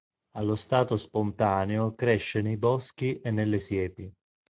Allo stato spontaneo cresce nei boschi e nelle siepi.